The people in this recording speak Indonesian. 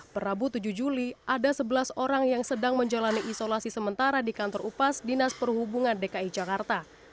perabu tujuh juli ada sebelas orang yang sedang menjalani isolasi sementara di kantor upas dinas perhubungan dki jakarta